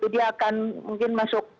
dia akan mungkin masuk